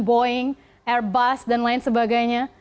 boeing airbus dan lain sebagainya